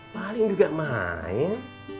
paling juga main